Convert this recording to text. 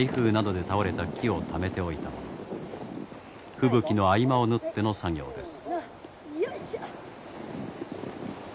吹雪の合間を縫っての作業です。